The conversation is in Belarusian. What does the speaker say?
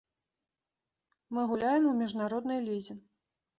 Мы гуляем у міжнароднай лізе.